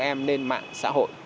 ba các em nên mạng xã hội